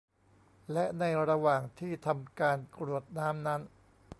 และในระหว่างที่ทำการกรวดน้ำนั้น